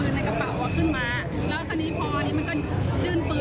ในกระเป๋าขึ้นมาแล้วคราวนี้พออันนี้มันก็ยื่นปืน